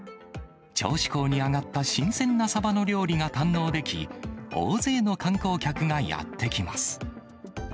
銚子港に上がった新鮮なサバの料理が堪能でき、大勢の観光客がやって来ます。